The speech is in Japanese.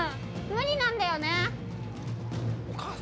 無理なんだよね。